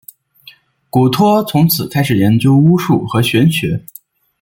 古托从此开始研究巫术和玄学。